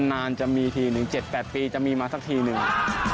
นานจะมีทีหนึ่ง๗๘ปีจะมีมาสักทีหนึ่ง